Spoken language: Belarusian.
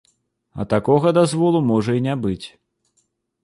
А такога дазволу можа і не быць.